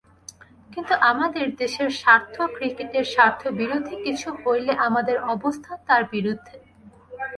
কিন্তু আমাদের দেশের স্বার্থ, ক্রিকেটের স্বার্থবিরোধী কিছু হলে আমাদের অবস্থান তার বিরুদ্ধে।